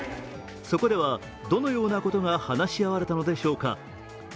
そこではどのようなことが話し合われたのでしょうか。